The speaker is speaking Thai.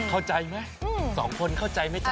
เข้าใจไหมสองคนเข้าใจไหมจ๊